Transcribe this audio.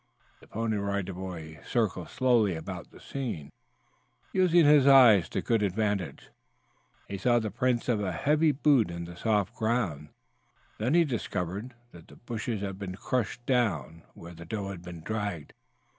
The Pony Rider Boy circled slowly about the scene, using his eyes to good advantage. He saw the prints of a heavy boot in the soft ground; then he discovered that the bushes had been crushed down where the doe had been dragged.